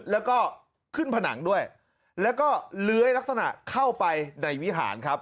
แล้วก็ขึ้นผนังด้วยแล้วก็เลื้อยลักษณะเข้าไปในวิหารครับ